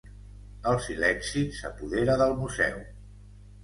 El silenci s'apodera del museu.